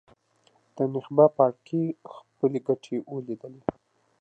د نخبه پاړکي خپلې ګټې ولیدلې.